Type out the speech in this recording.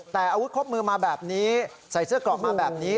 แต่อาวุธครบมือมาแบบนี้ใส่เสื้อกรอกมาแบบนี้